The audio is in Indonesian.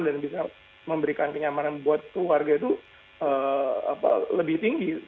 dan bisa memberikan kenyamanan buat keluarga itu lebih tinggi